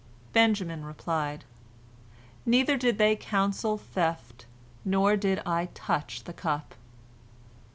Benjamin replied: "Neither did they counsel theft, nor did I touch the cup."